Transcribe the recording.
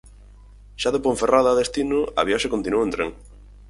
Xa de Ponferrada a destino, a viaxe continuou en tren.